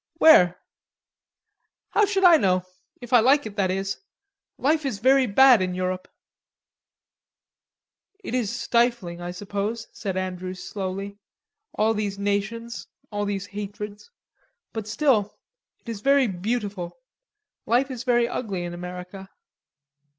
"Where?" "How should I know? If I like it, that is.... Life is very bad in Europe." "It is stifling, I suppose," said Andrews slowly, "all these nations, all these hatreds, but still... it is very beautiful. Life is very ugly in America."